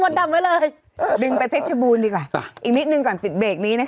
แต่แล้วจะให้เซหายกับพี่มดดำหน่อย